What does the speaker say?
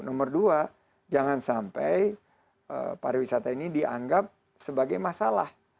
nomor dua jangan sampai pariwisata ini dianggap sebagai masalah